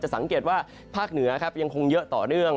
สังเกตว่าภาคเหนือครับยังคงเยอะต่อเนื่อง